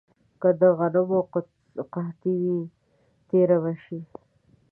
که د غنمو قحطي وي، تېره به شي.